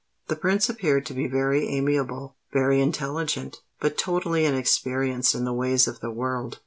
The Prince appeared to be very amiable, very intelligent; but totally inexperienced in the ways of the world.